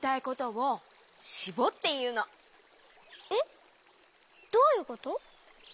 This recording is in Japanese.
えっどういうこと？